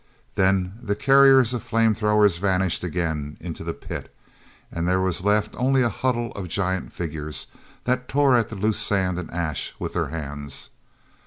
Then the carriers of the flame throwers vanished again into the pit, and there was left only a huddle of giant figures that tore at the loose sand and ash with their hands.